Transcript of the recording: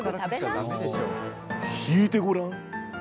引いてごらん！